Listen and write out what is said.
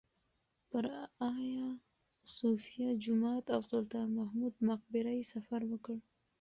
پر ایا صوفیه جومات او سلطان محمود مقبره یې سفر وکړ.